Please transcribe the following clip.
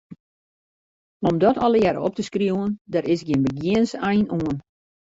Om dat allegearre op te skriuwen, dêr is gjin begjinnensein oan.